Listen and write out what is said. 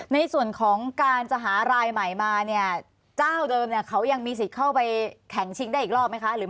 ในส่วนของการจะหารายใหม่มาเนี่ยเจ้าเดิมเนี่ยเขายังมีสิทธิ์เข้าไปแข่งชิงได้อีกรอบไหมคะ